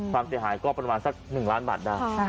ความเสียหายก็ประมาณสัก๑ล้านบาทได้